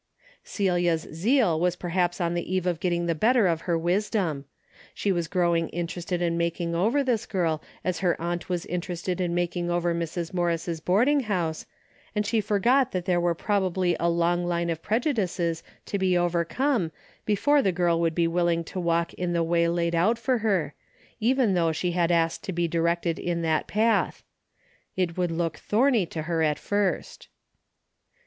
Celia's zeal was perhaps on the eve of getting the better of her wisdom. She was growing interested in making over this girl as her aunt Avas interested in making over Mrs. Morris' boarding house, and she forgot that there were probably a long line of prejudices to be over come before the girl would be willing to walk in the way laid out for her, even though she had asked to be directed in that path. It would look thorny to her at first.